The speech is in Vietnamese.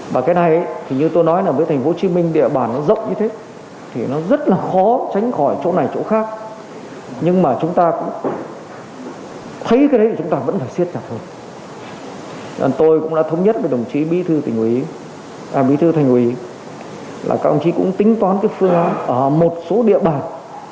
bí thư thành quỳ là các ông chí cũng tính toán phương án ở một số địa bàn